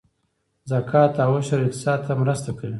زکات او عشر اقتصاد ته مرسته کوي